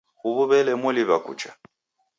Huw'u w'ele moliw'a kucha